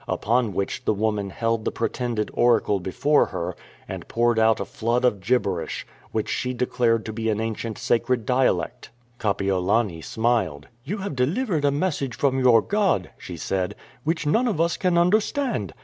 Upon which the woman held the pretended oracle before her, and poured out a flood of gib berish, which she declared to be an ancient sacred dialect. Kapiolani smiled. " You have delivered a message from your god," she said, " which none of us can understand.